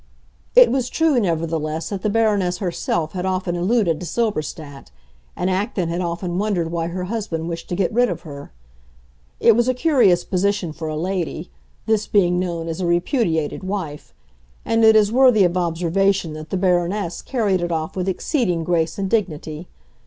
It was true, nevertheless, that the Baroness herself had often alluded to Silberstadt; and Acton had often wondered why her husband wished to get rid of her. It was a curious position for a lady—this being known as a repudiated wife; and it is worthy of observation that the Baroness carried it off with exceeding grace and dignity.